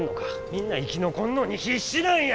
みんな生き残るのに必死なんや！